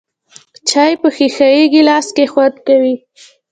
چای په ښیښه یې ګیلاس کې خوند کوي .